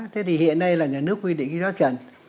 thế thì hiện nay là nhà nước quy định cái giá trần